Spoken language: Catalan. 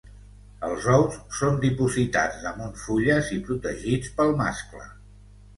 Els ous són dipositats damunt fulles i protegits pel mascle.